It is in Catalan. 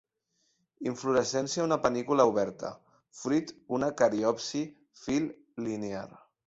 Inflorescència una panícula oberta. Fruit una cariopsi; fil linear.